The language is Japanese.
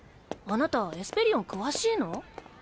あなたエスペリオン詳しいの？